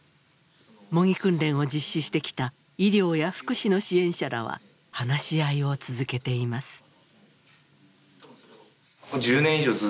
模擬訓練を実施してきた医療や福祉の支援者らは話し合いを続けています。